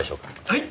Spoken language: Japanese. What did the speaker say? はい！